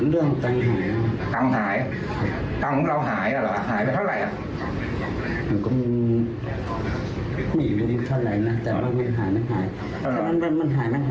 เรามั่นใจว่าเขาออกของเราไปใช่มั้ย